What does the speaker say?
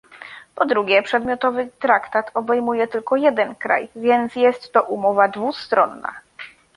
Po drugie, przedmiotowy traktat obejmuje tylko jeden kraj, więc jest to umowa dwustronna